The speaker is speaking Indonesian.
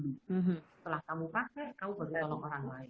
setelah kamu pakai kamu baru tolong orang lain